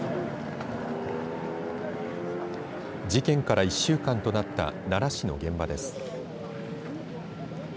事件から１週間となった奈良市の現場です。